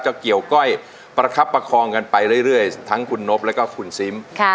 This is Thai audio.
เกี่ยวก้อยประคับประคองกันไปเรื่อยทั้งคุณนบแล้วก็คุณซิม